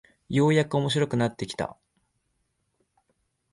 ようやく面白くなってきた